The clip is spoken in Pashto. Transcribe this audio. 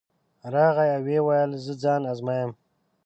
راغی او ویې ویل زه ځان ازمایم.